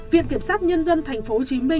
viện kiểm sát nhân dân tp hcm